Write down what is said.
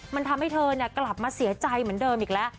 มันทำให้เธอกลับมาเสียใจเหมือนเดิมอีกแล้ว